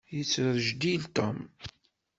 Yettrejdil Tom.